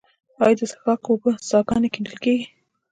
آیا د څښاک اوبو څاګانې کیندل کیږي؟